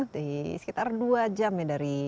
di sekitar dua jam ya dari